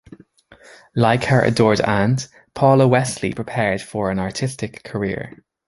Like her adored aunt, Paula Wessely prepared for an artistic career.